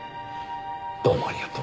どうもありがとう。